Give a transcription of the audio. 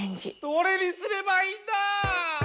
どれにすればいいんだ！